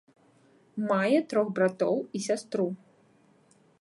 Мае трох братоў і сястру.